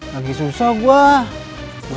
lagi susah gua